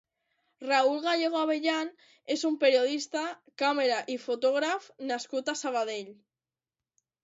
Raül Gallego Abellán és un periodista, càmera i fotògraf nascut a Sabadell.